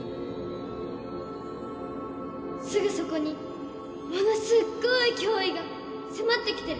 すぐそこにものすごい脅威が迫ってきてる。